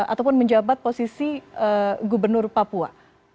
ataupun menjabat posisi gubernur papua